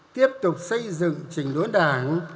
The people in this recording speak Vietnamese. tiếp tục xây dựng trình đối đảng